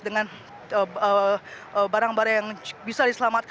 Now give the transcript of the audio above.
dengan barang barang yang bisa diselamatkan